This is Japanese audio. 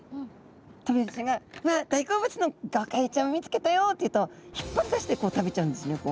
トビハゼちゃんが「わあっ大好物のゴカイちゃんを見つけたよ！」って言うと引っ張り出してこう食べちゃうんですね。